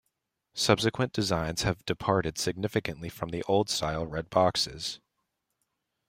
Subsequent designs have departed significantly from the old style red boxes.